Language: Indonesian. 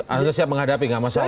anda siap menghadapi tidak masalah ya